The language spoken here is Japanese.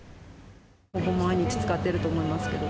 ほぼ毎日使ってると思いますけど。